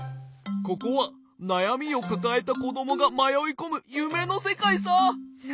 ここはなやみをかかえたこどもがまよいこむゆめのせかいさ！